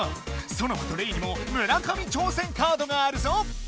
ソノマとレイにも村上挑戦カードがあるぞ！